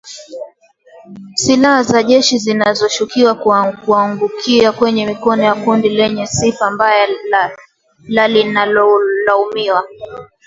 Silaha za jeshi zinashukiwa kuangukia kwenye mikono ya kundi lenye sifa mbaya la linalolaumiwa